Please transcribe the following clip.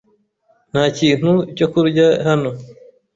Nta kintu cyo kurya hano.